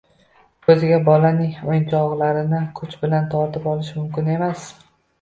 o‘zga bolaning o‘yinochoqlarini kuch bilan tortib olish mumkin emas.